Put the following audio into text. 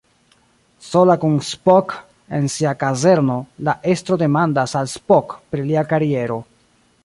Sola kun Spock en sia kazerno, la estro demandas al Spock pri lia kariero.